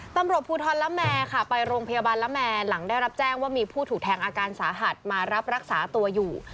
ตำรวจภูทรละแมค่ะไปโรงพยาบาลละแมหลังได้รับแจ้งว่ามีผู้ถูกแทงอาการสาหัสมารับรักษาตัวอยู่